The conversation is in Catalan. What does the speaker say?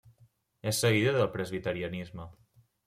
És seguidor del presbiterianisme.